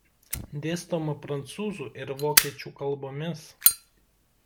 Dėstoma prancūzų ir vokiečių kalbomis.